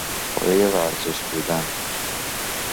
خورهی ورزش بودن